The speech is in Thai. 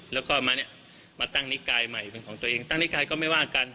แล้วก็มาเนี่ยมาตั้งนิกายใหม่เป็นของตัวเองตั้งนิกายก็ไม่ว่ากัน